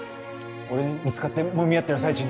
俺に見つかってもみ合ってる最中に